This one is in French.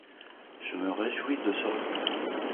Je me réjouis de ce retrait.